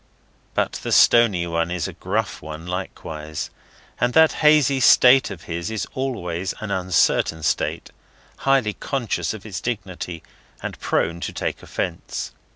But the stony one is a gruff one likewise, and that hazy state of his is always an uncertain state, highly conscious of its dignity, and prone to take offence.